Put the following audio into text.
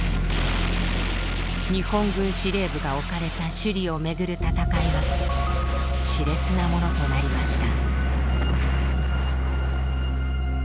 日本軍司令部が置かれた首里をめぐる戦いは熾烈なものとなりました。